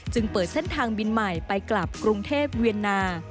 เปิดเส้นทางบินใหม่ไปกลับกรุงเทพเวียนนา